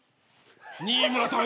新村さん